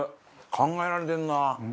考えられてるな。